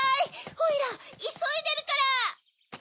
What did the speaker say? おいらいそいでるから。